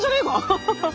ハハハッ。